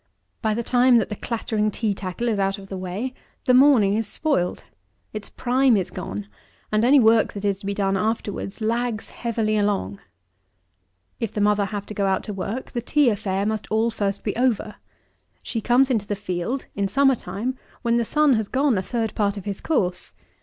By the time that the clattering tea tackle is out of the way, the morning is spoiled; its prime is gone; and any work that is to be done afterwards lags heavily along. If the mother have to go out to work, the tea affair must all first be over. She comes into the field, in summer time, when the sun has gone a third part of his course.